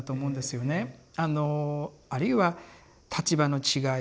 あのあるいは立場の違い